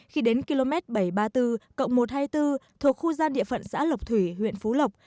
khi đến km bảy trăm ba mươi bốn một trăm hai mươi bốn thuộc khu gian địa phận xã lộc thủy huyện phú lộc